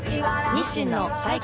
日清の最強